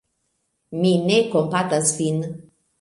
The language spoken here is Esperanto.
Mi ne kompatas vin.